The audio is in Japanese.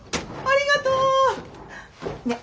ありがとね。